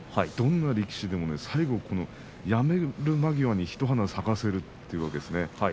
どんな力士でも最後、辞める間際に一花咲かせるというわけですね。